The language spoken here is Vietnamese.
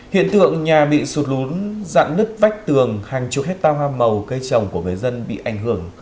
hiện tượng nhà bị sụt lún giặn nứt vách tường hàng chục hectare hoa màu cây trồng của người dân bị ảnh hưởng